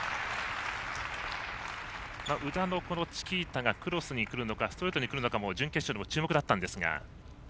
宇田のチキータがクロスにくるのかストレートにくるのかも準決勝でも注目だったんですが。